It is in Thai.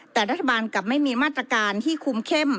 แต่รัฐบาลกลับไม่มีมาตรการที่คุมเข้ม